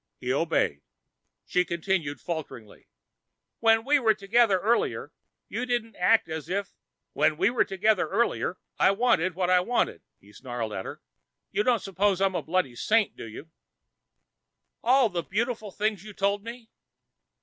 He obeyed. She continued falteringly, "When we were together earlier, you didn't act as if ..." "When we were together earlier, I wanted what I wanted," he snarled at her. "You don't suppose I'm a bloody saint, do you?" "And all the beautiful things you told me?"